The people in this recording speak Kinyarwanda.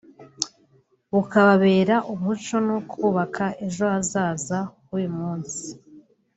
ukababera umucyo ni ukubaka ejo hazaza h’uyu munsi